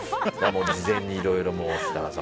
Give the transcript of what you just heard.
事前にいろいろ設楽さん